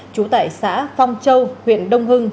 trú tại xã phong châu huyện đông hưng